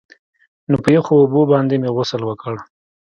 نو په يخو اوبو باندې مې غسل وکړ.